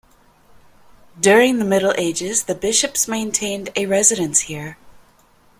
During the Middle Ages the bishops maintained a residence here.